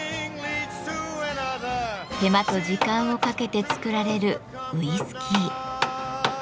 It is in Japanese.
手間と時間をかけて造られるウイスキー。